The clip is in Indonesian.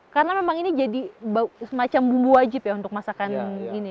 karena memang ini jadi semacam bumbu wajib ya untuk masakan ini ya